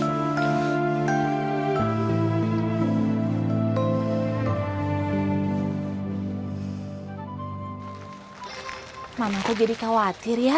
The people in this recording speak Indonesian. bapak mau cuci muka dulu